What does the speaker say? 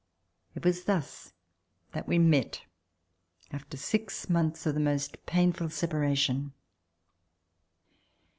It was thus that we met after six months of the most painful separation.